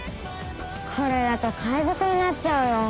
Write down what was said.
これだと海ぞくになっちゃうよ。